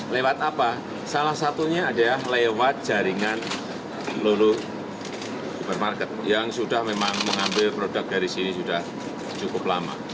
lewat apa salah satunya adalah lewat jaringan lulu supermarket yang sudah memang mengambil produk dari sini sudah cukup lama